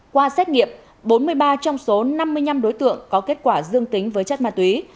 qua xét nghiệm bốn mươi ba trong số năm mươi năm đối tượng có kết quả dương tính với chất ma túy